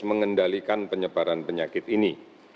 mengendalikan penyebaran penyakit ini